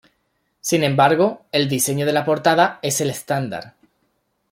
Sin embargo, el diseño de la portada es el estándar.